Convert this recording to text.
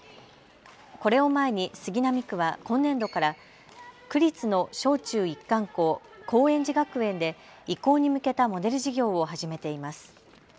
これを前に杉並区は今年度から区立の小中一貫校、高円寺学園で移行に向けたモデル事業を始めています。